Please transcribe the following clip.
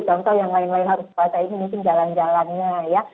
contoh yang lain lain harus puasa ini mungkin jalan jalannya ya